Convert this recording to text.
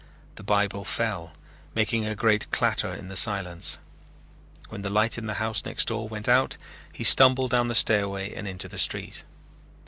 The Bible fell, making a great clatter in the silence. When the light in the house next door went out he stumbled down the stairway and into the street.